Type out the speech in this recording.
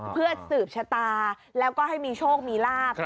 เพื่อสืบชะตาแล้วก็ให้มีโชคมีลาบ